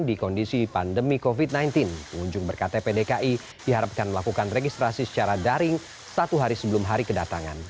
di kondisi pandemi covid sembilan belas pengunjung berktp dki diharapkan melakukan registrasi secara daring satu hari sebelum hari kedatangan